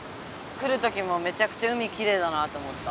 来るときもめちゃくちゃ海きれいだなと思った。